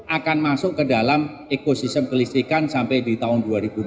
akan masuk ke dalam ekosistem kelistrikan sampai di tahun dua ribu dua puluh